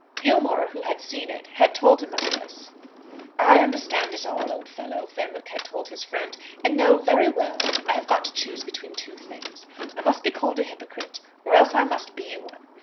Gilmore, who had seen it, had told him of this. "I understand it all, old fellow," Fenwick had said to his friend, "and know very well I have got to choose between two things. I must be called a hypocrite, or else I must be one.